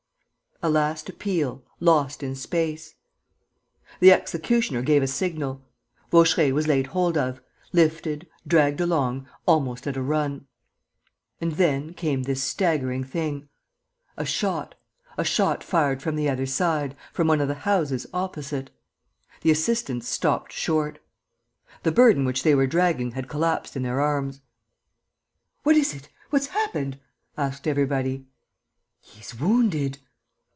A last appeal, lost in space. The executioner gave a signal. Vaucheray was laid hold of, lifted, dragged along, almost at a run. And then came this staggering thing: a shot, a shot fired from the other side, from one of the houses opposite. The assistants stopped short. The burden which they were dragging had collapsed in their arms. "What is it? What's happened?" asked everybody. "He's wounded...."